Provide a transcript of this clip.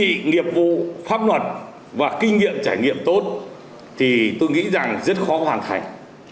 vì nghiệp vụ pháp luật và kinh nghiệm trải nghiệm tốt thì tôi nghĩ rằng rất khó hoàn thành